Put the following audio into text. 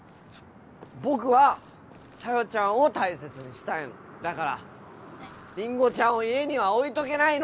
僕は小夜ちゃんを大切にしたいのだからりんごちゃんを家には置いとけないの！